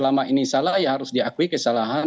selama ini salah ya harus diakui kesalahan